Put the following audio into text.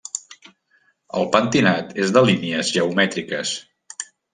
El pentinat és de línies geomètriques.